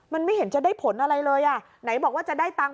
มันไม่เห็นจะได้ผลอะไรเลยอ่ะไหนบอกว่าจะได้ตังค์